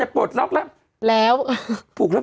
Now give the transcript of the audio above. ปลูก